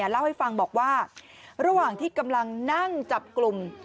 เล่าให้ฟังบอกว่าระหว่างที่กำลังนั่งจับกลุ่ม